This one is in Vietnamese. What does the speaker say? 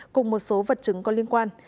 cùng một số vật chứng có liên quan